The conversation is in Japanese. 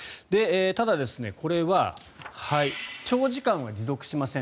ただ、これは長時間は持続しません。